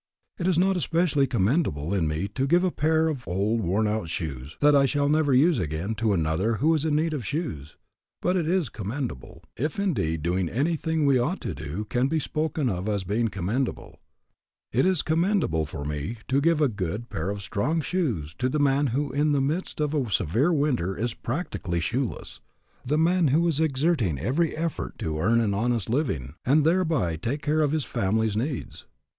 It is not especially commendable in me to give a pair of old, worn out shoes that I shall never use again to another who is in need of shoes. But it is commendable, if indeed doing anything we ought to do can be spoken of as being commendable, it is commendable for me to give a good pair of strong shoes to the man who in the midst of a severe winter is practically shoeless, the man who is exerting every effort to earn an honest living and thereby take care of his family's needs.